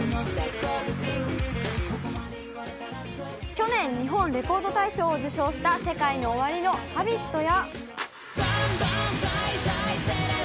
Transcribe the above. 去年、日本レコード大賞を受賞したＳＥＫＡＩＮＯＯＷＡＲＩのハビットや。